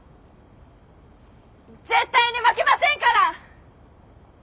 絶対に負けませんから。